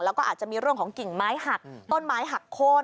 แล้วก็อาจจะมีเรื่องของกิ่งไม้หักต้นไม้หักโค้น